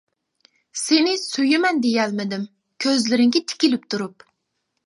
سېنى سۆيىمەن دېيەلمىدىم، كۆزلىرىڭگە تىكىلىپ تۇرۇپ.